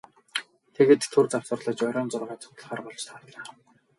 Тэгээд түр завсарлаж оройн зургаад цугларахаар болж тарлаа.